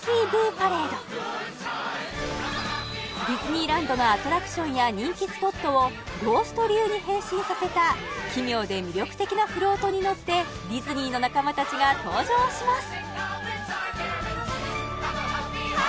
パレードディズニーランドのアトラクションや人気スポットをゴースト流に変身させた奇妙で魅力的なフロートに乗ってディズニーの仲間たちが登場します！